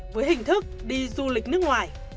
với hình thức đi du lịch nước ngoài